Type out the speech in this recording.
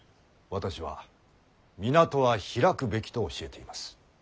私は港は開くべきと教えています。